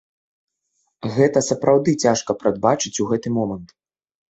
Гэта сапраўды цяжка прадбачыць у гэты момант.